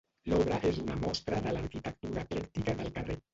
L'obra és una mostra de l'arquitectura eclèctica del carrer.